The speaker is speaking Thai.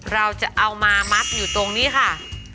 เราจะเอามามัดอยู่ตรงนี้ค่ะ